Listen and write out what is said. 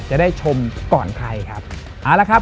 จะได้ชมก่อนใครครับ